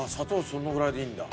そのぐらいでいいんだ。